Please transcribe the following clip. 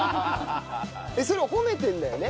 それ褒めてるんだよね？